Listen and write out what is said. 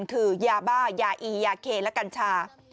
คือยาบ้ายาอียาเคและกัญชา